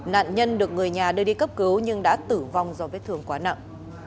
nạn nhân được người nhà đưa đi cấp cứu nhưng đã tử vong do vết thương quá nặng